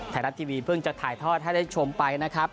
ไทยรัฐทีวีเพิ่งจะถ่ายทอดให้ได้ชมไปนะครับ